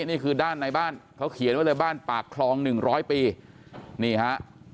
นี่คือด้านในบ้านเขาเขียนไว้เลยบ้านปากคลองหนึ่งร้อยปีนี่ฮะ